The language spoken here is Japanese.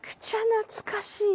懐かしい！